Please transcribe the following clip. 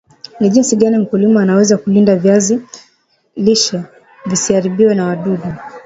ni jinsi gani mkulima anaweza kulinda viazi lishe visiharibiwe na wadudu